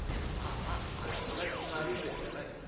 ああありゃ定吉が歩いてんじゃない。